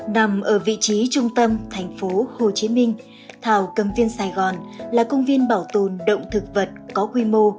nằm ở vị trí trung tâm thành phố hồ chí minh thảo cầm viên sài gòn là công viên bảo tồn động thực vật có quy mô